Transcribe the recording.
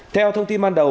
theo thông tin ban đầu